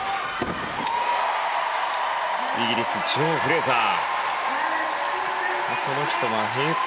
イギリスジョー・フレーザー。